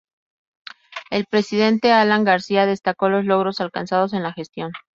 El presidente Alan García destacó los logros alcanzados en la gestión.